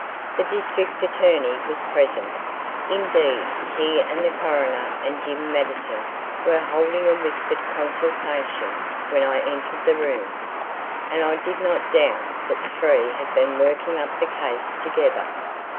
The District Attorney was present; indeed he and the coroner and Jim Mattison were holding a whispered consultation when I entered the room, and I did not doubt but that the three had been working up the case together.